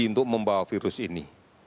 untuk membawa virus ini